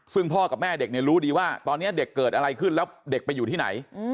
ซึ่งพ่อกับแม่เด็กเนี่ยรู้ดีว่าตอนนี้เด็กเกิดอะไรขึ้นแล้วเด็กไปอยู่ที่ไหน